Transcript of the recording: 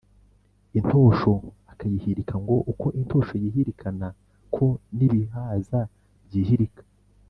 intosho akayihirika, ngo uko intosho yihirikana ko n’ibihaza byihirika.